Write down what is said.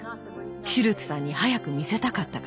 シュルツさんに早く見せたかったから。